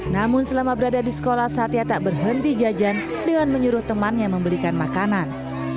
namun selama berada di sekolah satya tak berhenti jajan dengan menyuruh temannya membelikan makanan